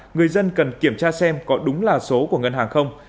người dân cần kiểm tra xem có đúng là số của ngân hàng không